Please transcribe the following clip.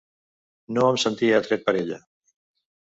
No em sentia atret per ella.